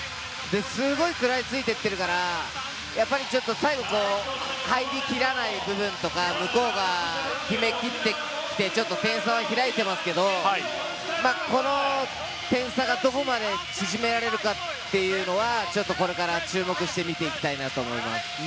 すごい食らいついていってるから、最後、入りきらない部分とか、向こうが決め切ってきて、ちょっと点差は開いていますけれども、この点差がどこまで縮められるかというのはこれから注目して見ていきたいと思います。